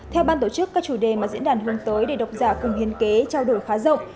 theo ban tổ chức các chủ đề mà diễn đàn hướng tới để độc giả cùng hiên kế trao đổi khá rộng